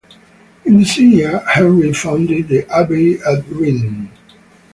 In that same year Henry founded the Abbey at Reading.